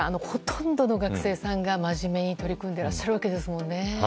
ほとんどの学生さんがまじめに取り組んでらっしゃるわけですもんね。